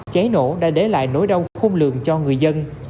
cháy nổ đã để lại nỗi đau khôn lường cho người dân